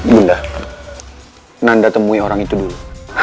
bunda nanda temui orang itu dulu